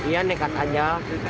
ya nekat aja